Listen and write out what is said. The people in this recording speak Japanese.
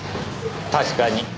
確かに。